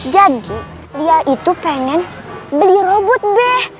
jadi dia itu pengen beli robot be